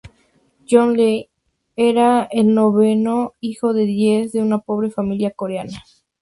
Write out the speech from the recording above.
John Lee era el noveno hijo de diez de una pobre familia coreana.